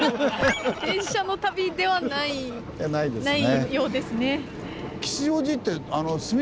電車の旅ではないようですね。